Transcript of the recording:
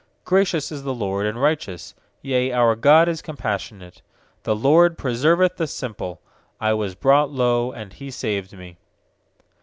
7 6Gracious is the LORD, and righteous Yea, our God is compassionate 6The LORD preserveth the simple; I was brought low, and He saved me.